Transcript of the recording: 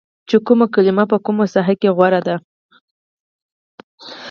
چې کومه کلمه په کومه ساحه کې غوره ده